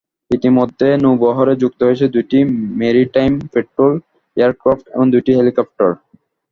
ইতিমধ্যে নৌবহরে যুক্ত হয়েছে দুটি মেরিটাইম পেট্রোল এয়ারক্র্যাফট এবং দুটি হেলিকপ্টার।